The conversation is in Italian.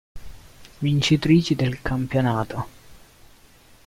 Vincitrici del campionato.